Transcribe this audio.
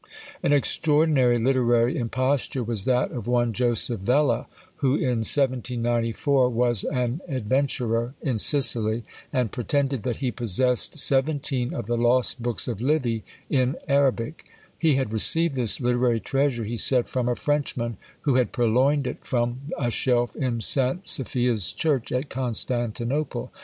An extraordinary literary imposture was that of one Joseph Vella, who, in 1794, was an adventurer in Sicily, and pretended that he possessed seventeen of the lost books of Livy in Arabic: he had received this literary treasure, he said, from a Frenchman, who had purloined it from a shelf in St. Sophia's church at Constantinople.